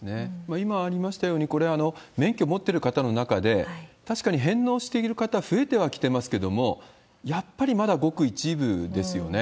今ありましたように、これ、免許持ってる方の中で、確かに返納している方、増えてはきてますけれども、やっぱりまだごく一部ですよね。